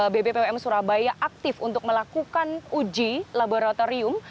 bbpom surabaya aktif untuk melakukan uji laboratorium